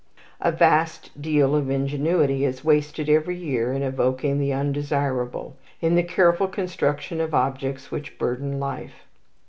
A vast deal of ingenuity is wasted every year in evoking the undesirable, in the careful construction of objects which burden life.